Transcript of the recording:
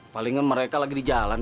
palingnya mereka lagi di jalan